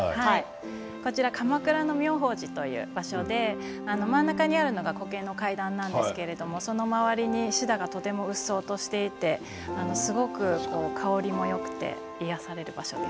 鎌倉の妙法寺という場所で真ん中にあるのがコケの階段なんですけれども、その周りにシダがうっそうとしていてすごく香りもよくて癒やされる場所です。